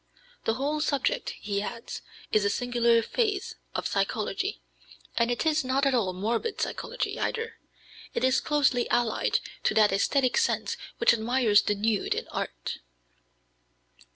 "The whole subject," he adds, "is a singular phase of psychology, and it is not all morbid psychology, either. It is closely allied to that æsthetic sense which admires the nude in art."